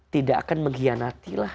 tidak akan mengkhianatilah